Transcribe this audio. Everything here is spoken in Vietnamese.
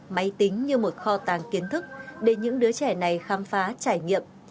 máy tính như một kho tàng kiến thức để những đứa trẻ này khám phá trải nghiệm